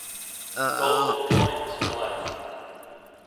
Gold and coins fell out.